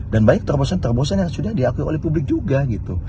dan banyak terbosan terbosan yang sudah diakui oleh publik juga gitu